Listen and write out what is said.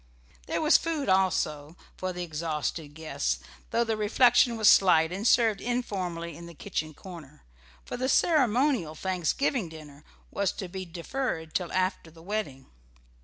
There was food, also, for the exhausted guests, though the refection was slight and served informally in the kitchen corner, for the ceremonial Thanksgiving dinner was to be deferred till after the wedding.